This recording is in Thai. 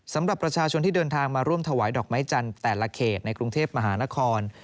สำหรับประชาชนที่เดินทางมาร่วมถวายดอกไม้จันทร์แต่ละเขตในกรุงเทพมหานคร